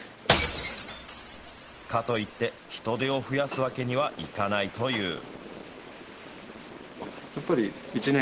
かといって、人手を増やすわけにはいかないという。